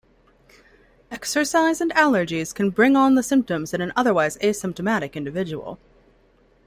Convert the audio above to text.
Exercise and allergies can bring on the symptoms in an otherwise asymptomatic individual.